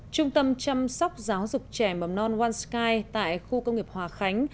trung tâm chăm sóc giáo dục trẻ mầm non wansky tại khu công nghiệp hòa khánh